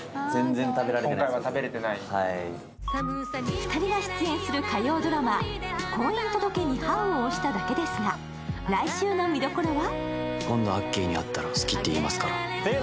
２人が出演する火曜ドラマ「婚姻届に判を捺しただけですが」、来週の見どころは？